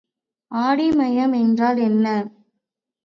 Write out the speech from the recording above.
ஆடிமையம் என்றால் என்ன?